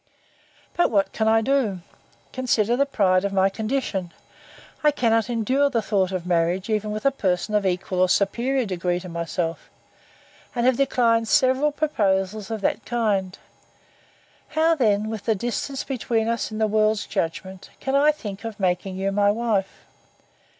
But what can I do? Consider the pride of my condition. I cannot endure the thought of marriage, even with a person of equal or superior degree to myself; and have declined several proposals of that kind: How then, with the distance between us in the world's judgment, can I think of making you my wife?